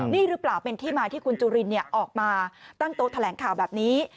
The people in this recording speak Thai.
นี่หรือเปล่าเป็นที่มาที่คุณจุรินออกมาตั้งโต๊ะแถลงข่าวแบบนี้